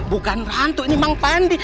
bukan hantu ini emang pandi